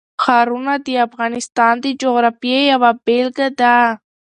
ښارونه د افغانستان د جغرافیې یوه بېلګه ده.